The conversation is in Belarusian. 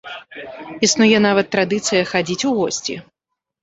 Існуе нават традыцыя хадзіць у госці.